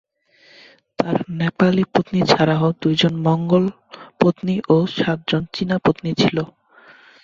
তার নেপালি পত্নী ছাড়াও দুইজন মঙ্গোল পত্নী ও সাতজন চীনা পত্নী ছিল।